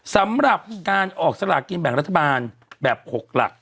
สำหรับการออกสลากินแบ่งรัฐบาลแบบ๖หลัก